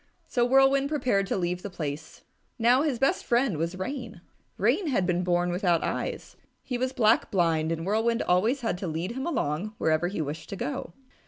So Whirlwind prepared to leave the place. Now his best friend was Rain. Rain had been born without eyes. He was black blind, and Whirlwind always had to lead him along wherever he wished to go.